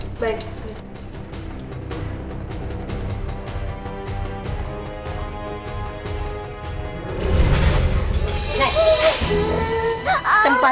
tempat kamu sekarang di sini adalah tempatmu